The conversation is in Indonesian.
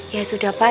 ya sudah pak